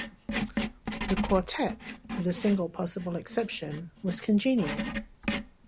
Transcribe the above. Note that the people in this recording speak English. The quartet, with a single possible exception, was congenial.